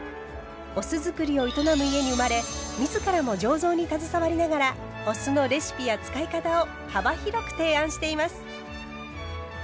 お酢造りを営む家に生まれ自らも醸造に携わりながらお酢のレシピや使い方を幅広く提案しています。